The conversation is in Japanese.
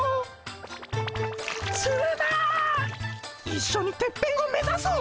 一緒にてっぺんを目指そう！